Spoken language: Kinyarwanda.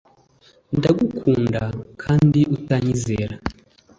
ndagukunda', kandi utanyizera